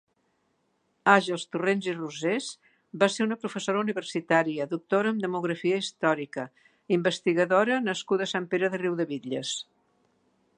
Àgels Torrents i Rosés va ser una professora universitària, doctora en demografia històrica, investigadora nascuda a Sant Pere de Riudebitlles.